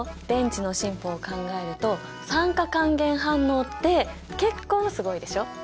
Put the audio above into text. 電池の進歩を考えると酸化還元反応って結構すごいでしょ！